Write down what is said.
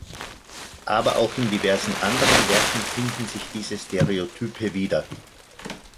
Aber auch in diversen anderen Werken finden sich diese Stereotype wieder.